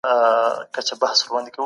تاسي چيري یاست؟